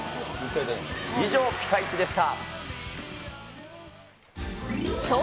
以上、ピカイチでした。